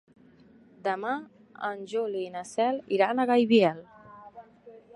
Demà en Juli i na Cel iran a Gaibiel.